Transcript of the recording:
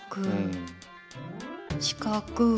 四角。